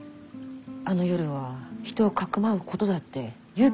あの夜は人をかくまうことだって勇気がいることだったろう？